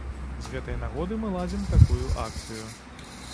З гэтай нагоды мы ладзім такую акцыю.